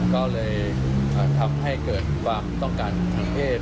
ก็เลยทำให้เกิดความต้องการทางเพศ